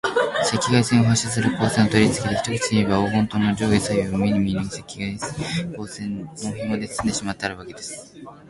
赤外線を発射する光線をとりつけて、一口にいえば、黄金塔の上下左右を、目に見えぬ赤外光線のひもでつつんでしまってあるわけです。